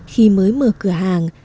khi mới mở cửa hàng